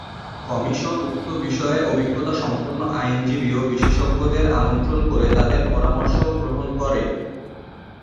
Commission উক্ত বিষয়ে অভিজ্ঞতাসম্পন্ন আইনজীবী ও বিশেষজ্ঞদের আমন্ত্রণ করে তাদের পরামর্শও গ্রহণ করে।